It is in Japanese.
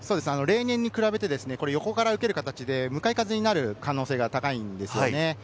例年に比べて横から受ける形で向かい風になる可能性が高いんですね。